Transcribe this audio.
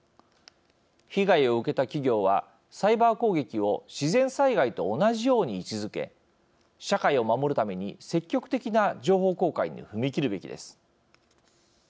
被害を受けた企業はサイバー攻撃を自然災害と同じように位置づけ社会を守るために積極的な情報公開に踏み切るべきです。